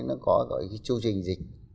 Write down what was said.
nó có gọi là cái chương trình dịch